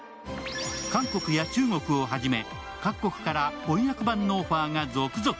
韓国や中国をはじめ各国から翻訳版のオファーが続々。